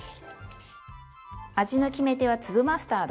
味の決め手は粒マスタード。